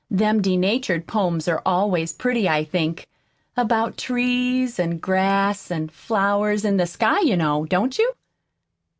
Them denatured poems are always pretty, I think about trees an' grass an' flowers an' the sky, you know. Don't you?"